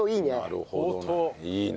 なるほどいいね。